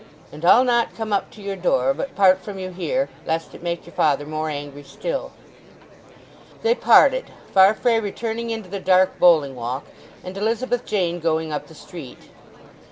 "And I'll not come up to your door; but part from you here; lest it make your father more angry still." They parted, Farfrae returning into the dark Bowling Walk, and Elizabeth Jane going up the street.